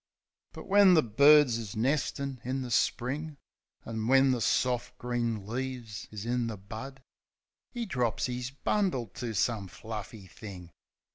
But when the birds is nestin' in the spring, An' when the soft green leaves is in the bud, 'E drops 'is bundle to some fluffy thing.